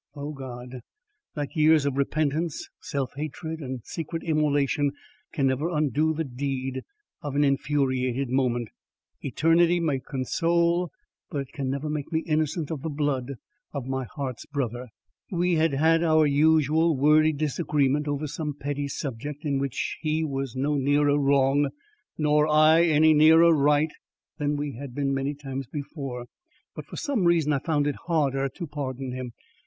O God! that years of repentance, self hatred and secret immolation can never undo the deed of an infuriated moment. Eternity may console, but it can never make me innocent of the blood of my heart's brother. We had had our usual wordy disagreement over some petty subject in which he was no nearer wrong nor I any nearer right than we had been many times before; but for some reason I found it harder to pardon him.